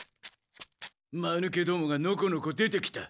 まぬけどもがのこのこ出てきた。